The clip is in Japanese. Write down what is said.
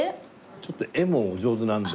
ちょっと絵もお上手なんで。